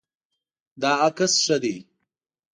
دا عکس ښه دی